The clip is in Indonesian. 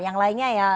yang lainnya ya